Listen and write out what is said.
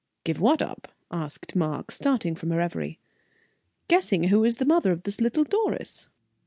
"Give what up?" asked Mark, starting from a reverie. "Guessing who is the mother of this little Doris."